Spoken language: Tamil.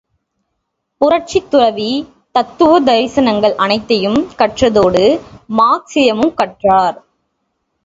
புரட்சித்துறவி தத்துவ தரிசனங்கள் அனைத்தையும் கற்றதோடு மார்க்சியமும் கற்றவர்.